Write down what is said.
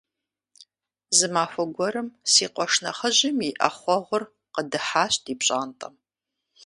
Зы махуэ гуэрым си къуэш нэхъыжьым и Ӏэхъуэгъур къыдыхьащ ди пщӀантӀэ.